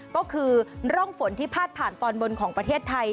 ก็คือร่องฝนที่พาดผ่านตอนบนของประเทศไทย